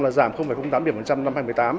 là giảm tám điểm phần trăm năm hai nghìn một mươi tám